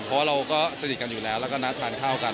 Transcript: เพราะว่าเราก็สนิทกันอยู่แล้วแล้วก็นัดทานข้าวกัน